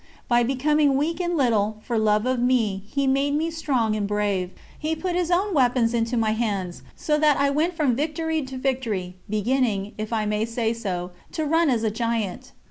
By becoming weak and little, for love of me, He made me strong and brave; He put His own weapons into my hands, so that I went from victory to victory, beginning, if I may say so, "to run as a giant."